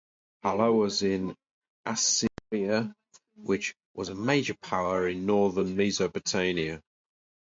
Halah was in Assyria, which was a major power in northern Mesopotamia.